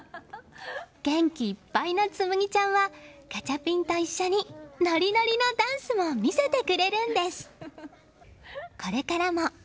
元気いっぱいな紬麦ちゃんはガチャピンと一緒にノリノリのダンスも見せてくれるんです。